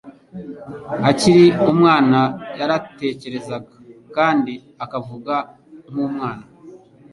Akiri umwana yaratekerezaga kandi akavuga nk'umwana;